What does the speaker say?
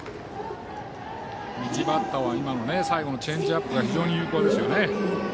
右バッターには最後のチェンジアップが非常に有効ですよね。